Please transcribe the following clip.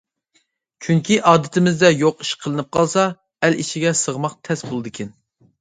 چۈنكى ئادىتىمىزدە يوق ئىش قىلىنىپ قالسا، ئەل ئىچىگە سىغماق تەس بولىدىكەن.